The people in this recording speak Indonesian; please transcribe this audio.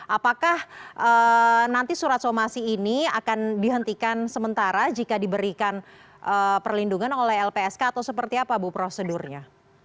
apakah nanti surat somasi ini akan dihentikan sementara jika diberikan perlindungan oleh lpsk atau seperti apa bu prosedurnya